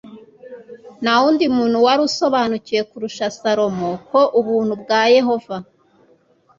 nta wundi muntu wari usobanukiwe kurusha salomo ko ubuntu bwa yehova